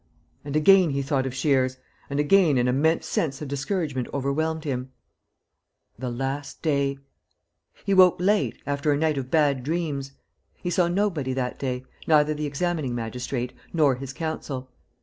... And again he thought of Shears; and again an immense sense of discouragement overwhelmed him. The last day. ... He woke late, after a night of bad dreams. He saw nobody that day, neither the examining magistrate nor his counsel.